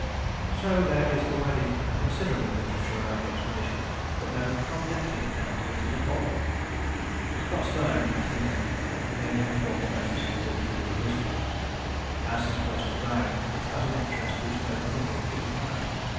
So there is already a considerable literature about the expedition, but no connected account of it as a whole. Scott's diary, had he lived, would merely have formed the basis of the book he would have written. As his personal diary it has an interest which no other book could have had.